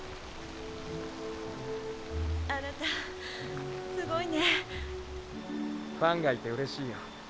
「あなたすごいね」「ファンがいてうれしいよ」